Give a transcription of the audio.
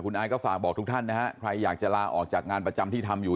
อายก็ฝากบอกทุกท่านนะฮะใครอยากจะลาออกจากงานประจำที่ทำอยู่